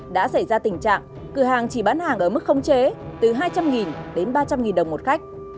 đã xảy ra tình trạng cửa hàng chỉ bán hàng ở mức khống chế từ hai trăm linh đến ba trăm linh đồng một khách